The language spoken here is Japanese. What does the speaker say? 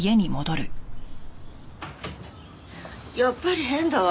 やっぱり変だわ。